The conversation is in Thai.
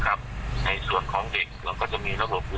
ก็เอามาที่ประเทศนี้ให้เขาสามารถทำตัว